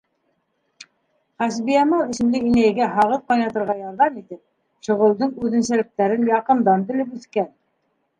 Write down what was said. Хәсбиямал исемле инәйгә һағыҙ ҡайнатырға ярҙам итеп, шөғөлдөң үҙенсәлектәрен яҡындан белеп үҫкән.